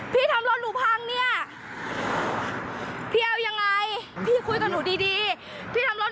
พี่ทำรถหนูพังพี่ผักรถหนูทำไม